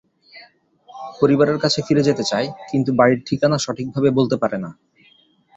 পরিবারের কাছে ফিরে যেতে চায়, কিন্তু বাড়ির ঠিকানা সঠিকভাবে বলতে পারে না।